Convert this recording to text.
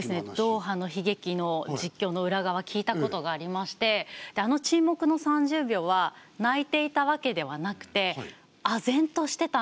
ドーハの悲劇の実況の裏側聞いたことがありましてあの沈黙の３０秒は泣いていたわけではなくてあぜんとしてたんだと。